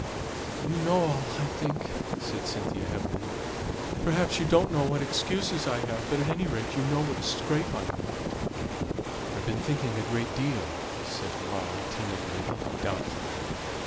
"You know all, I think," said Cynthia, heavily. "Perhaps you don't know what excuses I have, but at any rate you know what a scrape I am in." "I've been thinking a great deal," said Molly, timidly and doubtfully.